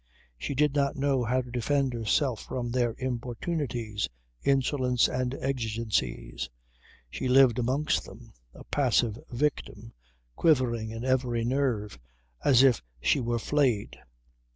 She did not know how to defend herself from their importunities, insolence and exigencies. She lived amongst them, a passive victim, quivering in every nerve, as if she were flayed.